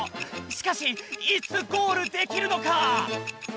しかしいつゴールできるのか？